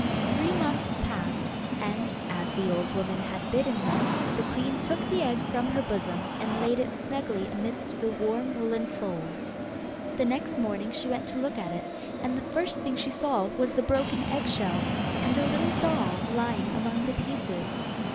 Three months passed, and, as the old woman had bidden her, the queen took the egg from her bosom, and laid it snugly amidst the warm woollen folds. The next morning she went to look at it, and the first thing she saw was the broken eggshell, and a little doll lying among the pieces.